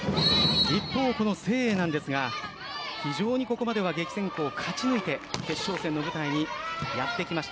一方、この誠英なんですが非常に、ここまでは激戦区を勝ち抜いて決勝戦の舞台にやってきました。